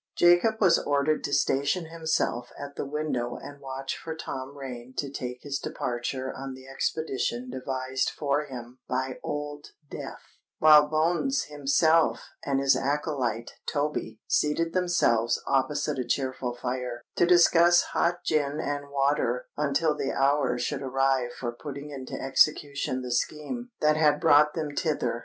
Jacob was ordered to station himself at the window and watch for Tom Rain to take his departure on the expedition devised for him by Old Death; while Bones himself and his acolyte Toby seated themselves opposite a cheerful fire, to discuss hot gin and water until the hour should arrive for putting into execution the scheme that had brought them thither.